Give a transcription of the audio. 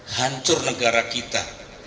hancur negara kita